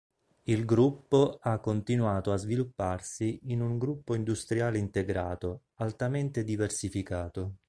Il Gruppo ha continuato a svilupparsi in un Gruppo industriale integrato, altamente diversificato.